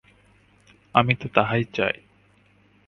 আমি তো তাহাই চাই।